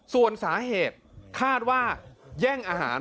ส่วนสาเหตุคาดว่าแย่งอาหาร